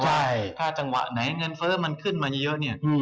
ใช่ถ้าจังหวะไหนเงินเฟ้อมันขึ้นมาเยอะเนี่ย